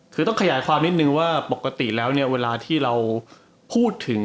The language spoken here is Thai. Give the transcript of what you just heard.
คือต้องขยายความนิดนึงว่าปกติแล้วเนี่ยเวลาที่เราพูดถึง